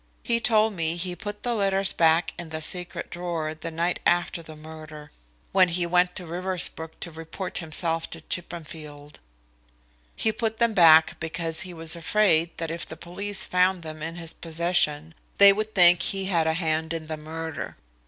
"He told me he put the letters back in the secret drawer the night after the murder, when he went to Riversbrook to report himself to Chippenfield. He put them back because he was afraid that if the police found them in his possession, they would think he had a hand in the murder.